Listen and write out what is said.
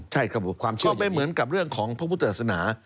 ใช่ครับความเชื่อไม่เหมือนกับเรื่องของพระพุทธศาสนา